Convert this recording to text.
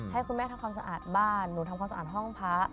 ให้คุณแม่ทำความสะอาดบ้านหนูทำความสะอาดห้องพระ